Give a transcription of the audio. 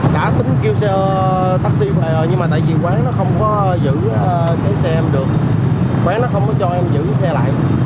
đã tính kêu xe taxi về rồi nhưng mà tại vì quán nó không có giữ cái xe em được quán nó không có cho em giữ cái xe lại